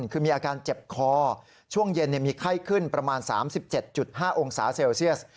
คือมีอาการเจ็บคอช่วงเย็นมีไข้ขึ้นประมาณ๓๗๕องศาเซลเซียส